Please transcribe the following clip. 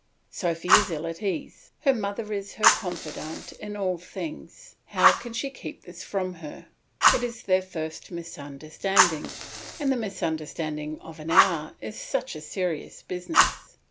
Sophy is ill at ease; her mother is her confidant in all things, how can she keep this from her? It is their first misunderstanding, and the misunderstanding of an hour is such a serious business.